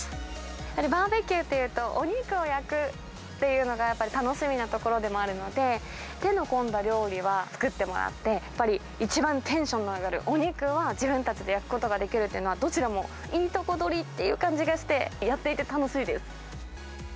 やはりバーベキューというと、お肉を焼くっていうのが、やっぱり楽しみなところでもあるので、手の込んだ料理は作ってもらって、やっぱり一番テンションの上がるお肉は自分たちで焼くことができるというのは、どちらもいいとこ取りっていう感じがして、やっていて楽しいです。